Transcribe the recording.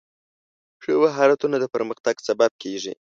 ښه مهارتونه د پرمختګ سبب کېږي.